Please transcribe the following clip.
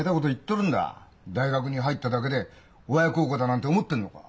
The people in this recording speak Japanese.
大学に入っただけで親孝行だなんて思ってるのか？